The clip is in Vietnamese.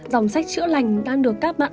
dòng sách chữa lành đang được các bạn